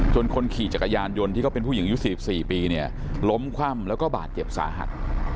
คนขี่จักรยานยนต์ที่เขาเป็นผู้หญิงอายุ๔๔ปีเนี่ยล้มคว่ำแล้วก็บาดเจ็บสาหัส